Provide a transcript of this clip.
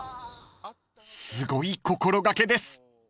［すごい心掛けです］